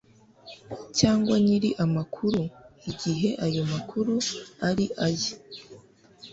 cyangwa nyir amakuru igihe ayo makuru ari aye